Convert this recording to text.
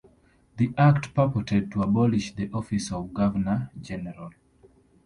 The Act purported to abolish the office of Governor-General.